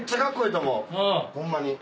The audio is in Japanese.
・「ホンマに。